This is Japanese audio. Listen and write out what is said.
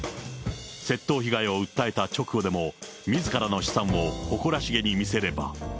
窃盗被害を訴えた直後でもみずからの資産を誇らしげに見せれば。